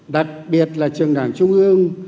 đặc biệt là trường đảng trung ương